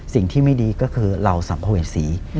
สิ่งที่ไม่ดีก็คือเราสำควรเห็นสี